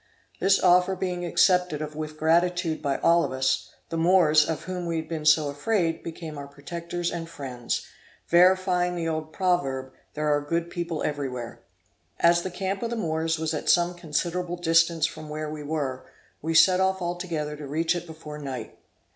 This offer being accepted of with gratitude by all of us, the Moors, of whom we had been so afraid, became our protectors and friends, verifying the old proverb, there are good people everywhere! As the camp of the Moors was at some considerable distance from where we were, we set off altogether to reach it before night.